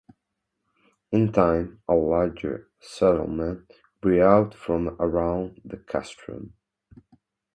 In time, a large settlement grew out from around the "castrum".